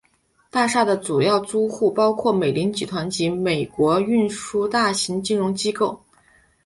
大厦的主要租户包括美林集团及美国运通大型金融机构。